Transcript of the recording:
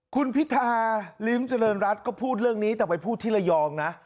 คุณพิธาริมเจริญรัฐก็พูดเรื่องนี้แต่ไปพูดที่ระยองนะ